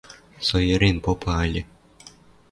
Со йӹрен попа ыльы.